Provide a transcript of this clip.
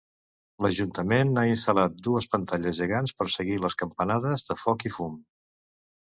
L'ajuntament ha instal·lat dues pantalles gegants per seguir les campanades de foc i fum.